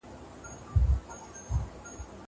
د سياست پر علمي والي نيوکي سوې دي.